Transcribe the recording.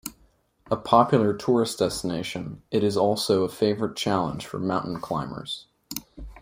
A popular tourist destination, it is also a favourite challenge for mountain climbers.